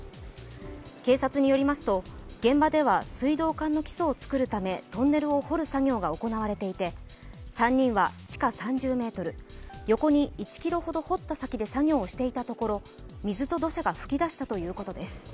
警察によりますと現場では水道管の基礎を造るためトンネルを掘る作業が行われていて３人は地下３０ｍ、横に１ｋｍほど掘った先で作業をしていたところ水と土砂が噴き出したということです。